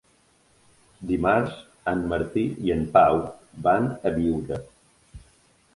Dimarts en Martí i en Pau van a Biure.